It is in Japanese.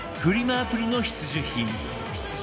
アプリの必需品